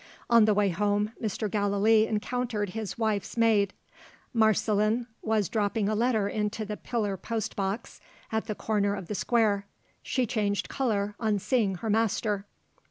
On the way home, Mr. Gallilee encountered his wife's maid. Marceline was dropping a letter into the pillar post box at the corner of the Square; she changed colour, on seeing her master.